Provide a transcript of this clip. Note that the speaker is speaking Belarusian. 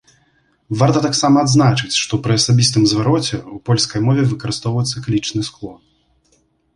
Варта таксама адзначыць, што пры асабістым звароце ў польскай мове выкарыстоўваецца клічны склон.